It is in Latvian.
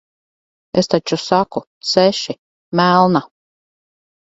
Es taču saku - seši, melna.